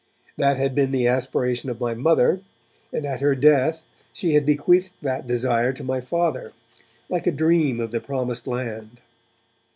That had been the aspiration of my Mother, and at her death she had bequeathed that desire to my Father, like a dream of the Promised Land.